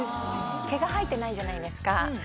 毛が生えてないじゃないですか